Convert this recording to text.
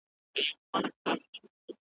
تجربو وښودله چي زموږ په شاوخوا سیمو کي